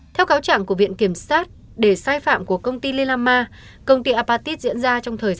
theo cáo chẳng của viện kiểm sát để sai phạm của công ty lilama công ty apatit diễn ra trong thời gian